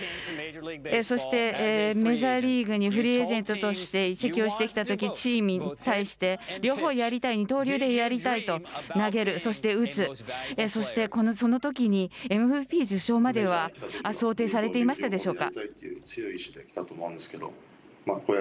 そしてメジャーリーグにフリーエージェントとして移籍をしてきたとき、チームに対して両方やりたい、二刀流でやりたいと、投げる、打つ、そして、そのときにＭＶＰ受賞までは想定されていましたでしょうか。